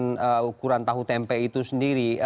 eee ukuran tahun